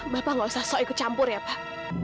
bapak nggak usah sok ikut campur ya pak